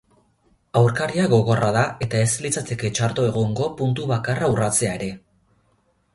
Aurkaria gogorra da eta ez litzateke txarto egongo puntu bakarra urratzea ere.